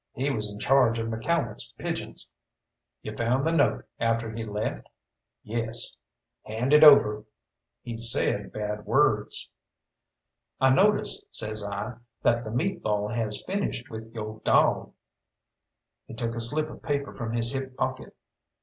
He was in charge of McCalmont's pigeons." "You found the note after he left?" "Yes." "Hand it over." He said bad words. "I notice," says I, "that the meat ball has finished with yo' dawg." He took a slip of paper from his hip pocket.